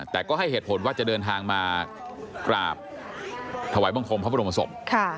แต่ก็ให้เหตุผลว่าจะเดินทางมากราบถวายบังคมพระบรมศพ